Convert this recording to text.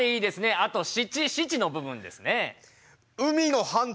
あと七・七の部分ですね。